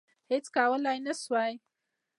هیڅ کولای نه سوای.